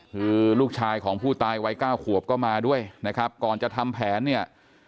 คือลูกชายของผู้ตายวัยเก้าขวบก็มาด้วยนะครับก่อนจะทำแผนเนี่ย